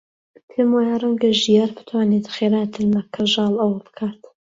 پێم وایە ڕەنگە ژیار بتوانێت خێراتر لە کەژاڵ ئەوە بکات.